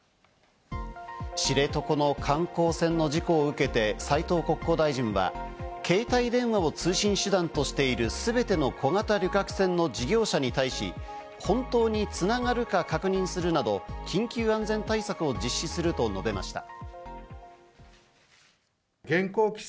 知床の観光船の事故を受けて斉藤国交大臣は、携帯電話の通信手段としているすべての小型旅客船の事業者に対し、本当に繋がるか確認するなど緊急安全対策を実施すると述べました。